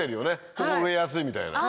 ここ植えやすいみたいな。